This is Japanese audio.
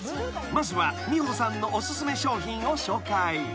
［まずは美穂さんのお薦め商品を紹介］